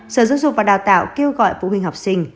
sở giáo dục và đào tạo kêu gọi phụ huynh học sinh